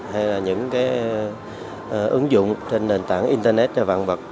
hay là những ứng dụng trên nền tảng internet và vạn vật